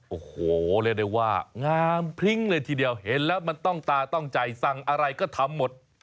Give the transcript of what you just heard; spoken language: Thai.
โอ้โหเรียกได้ว่างามพริ้งเลยทีเดียวเห็นแล้วมันต้องตาต้องใจสั่งอะไรก็ทำหมด